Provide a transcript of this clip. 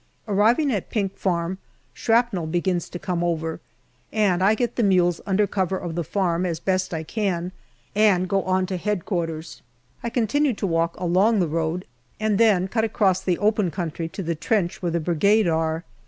Arriving at Pink Farm, shrapnel begins to come over, and I get the mules under cover of the farm as best I can and go on to H.Q. I continue to walk along the road, and then cut across the open country to the trench where the Brigade are.